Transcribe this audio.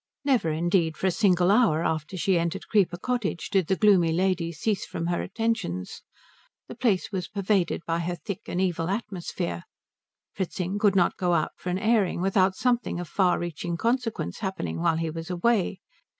Never indeed for a single hour after she entered Creeper Cottage did the gloomy lady cease from her attentions. The place was pervaded by her thick and evil atmosphere. Fritzing could not go out for an airing without something of far reaching consequence happening while he was away.